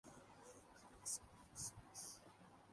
تو ہم کس چیز پہ احتجاج کر رہے ہیں؟